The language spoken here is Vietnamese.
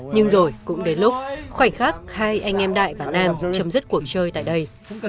nhưng rồi cũng đến lúc khoảnh khắc hai anh em đại và nam chấm dứt cuộc chơi tại đây